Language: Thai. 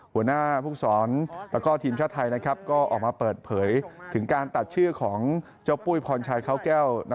หัวหน้าภูมิสอนแล้วก็ทีมชาติไทยก็ออกมาเปิดเผยถึงการตัดชื่อของเจ้าปุ้ยพรชัยเขาแก้ว